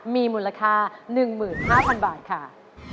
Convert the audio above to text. มีหมุนราคา๑๕๐๐๐บาทค่ะ